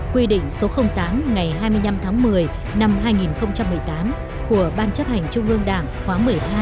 quy định số tám ngày hai mươi năm tháng một mươi năm hai nghìn một mươi tám của ban chấp hành trung ương đảng khóa một mươi hai